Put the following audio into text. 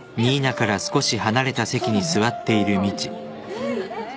うん。